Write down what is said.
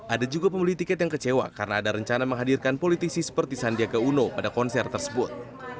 ada juga pembeli tiket yang kecewa karena ada rencana menghadirkan politisi seperti sandiaga uno pada konser tersebut